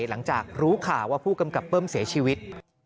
หลังจากรู้ข่าวว่าผู้กำกับเบิ้มเสียชีวิต